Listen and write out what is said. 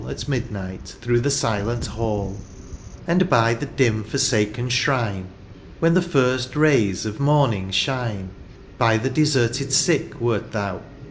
At midnight, through the silent hall ; And by the dim forsaken shrine. When the first rays of morning shine. By the deserted sick wert thou.